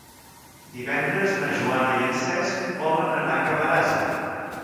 Divendres na Joana i en Cesc volen anar a Camarasa.